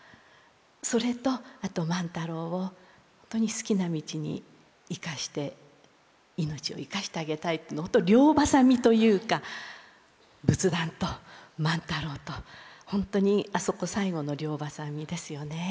それとあと万太郎を本当に好きな道に行かして命を生かせてあげたい両挟みというか仏壇と万太郎と本当にあそこ最後の両挟みですよね。